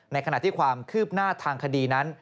ขณะที่ความคืบหน้าทางคดีนั้น